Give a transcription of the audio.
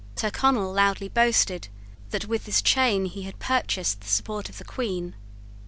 Tyrconnel loudly boasted that with this chain he had purchased the support of the Queen.